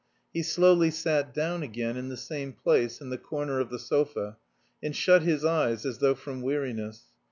He slowly sat down again in the same place in the corner of the sofa, and shut his eyes as though from weariness.